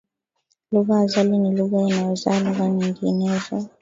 Lugha azali ni lugha inayozaa lugha nyinginezo.